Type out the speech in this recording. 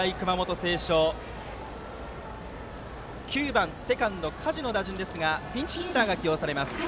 ９番、セカンド加地の打順ですがピンチヒッターが起用されます。